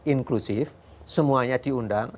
inklusif semuanya diundang